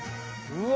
うわ！